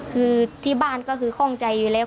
คือที่บ้านก็คือข้องใจอยู่แล้ว